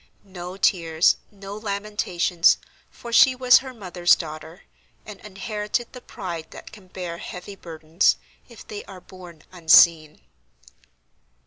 No tears, no lamentations, for she was her mother's daughter, and inherited the pride that can bear heavy burdens, if they are borne unseen.